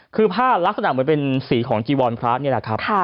คือผ้าลักษณะเหมือนเป็นสีของจีวรพระนี่แหละครับ